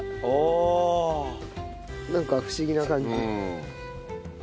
なんか不思議な感じ。